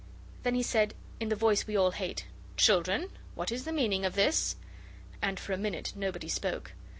Then he said, in the voice we all hate, 'Children, what is the meaning of all this?' And for a minute nobody spoke.